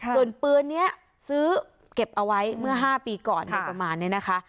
ส่วนปืนนี้ซื้อเก็บเอาไว้เมื่อ๕ปีก่อนอะไรประมาณนี้นะคะ